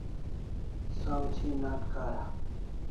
Saw thi n'at kara